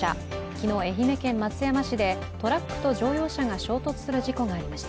昨日、愛媛県松山市でトラックと乗用車が衝突する事故がありました。